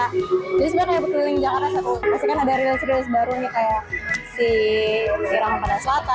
jadi sebenarnya kayak berkeliling jakarta satu pasti kan ada rilis rilis baru nih kayak si ramakandaselatan